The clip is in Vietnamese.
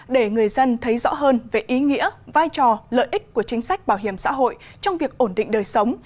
để người dân thấy rõ hơn về ý nghĩa vai trò lợi ích của chính sách bảo hiểm xã hội trong việc ổn định đời sống